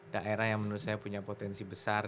daerah yang menurut saya punya potensi besar